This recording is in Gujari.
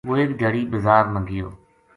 وہ ایک دھیاڑی بزار نا گیو